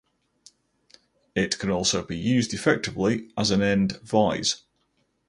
It can also be used effectively as an end vise.